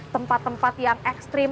tempat tempat yang ekstrim